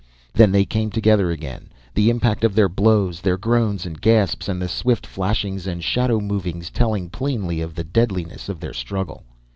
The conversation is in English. Then they came together again, the impact of their blows, their groans and gasps, and the swift flashings and shadow movings telling plainly of the deadliness of the struggle.